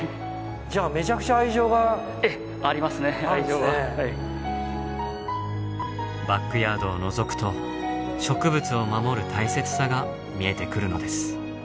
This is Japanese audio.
じゃあこれをバックヤードをのぞくと植物を守る大切さが見えてくるのです。